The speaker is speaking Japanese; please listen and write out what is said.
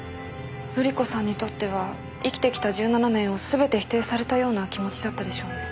瑠璃子さんにとっては生きてきた１７年を全て否定されたような気持ちだったでしょうね。